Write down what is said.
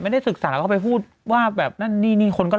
ไม่ได้ศึกษาแล้วก็ไปพูดว่าแบบนั่นนี่นี่คนก็